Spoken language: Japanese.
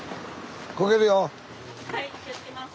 はい気をつけます！